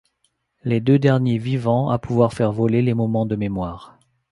Les deux derniers vivants à pouvoir faire voler les moments de mémoire.